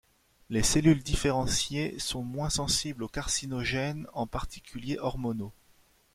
Les cellules différenciées sont moins sensibles aux carcinogènes en particulier hormonaux.